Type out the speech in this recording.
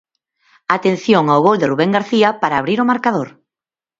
Atención ao gol de Rubén García para abrir o marcador.